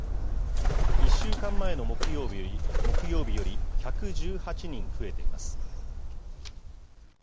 １週間前の木曜日より１１８人増えています。